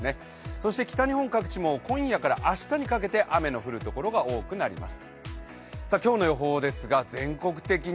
そして北日本各地も今夜から明日にかけて雨の降るところが多くなります。